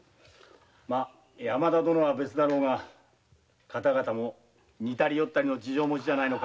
山田殿は別だろうが方々も似たりよったりの事情もちではないのか？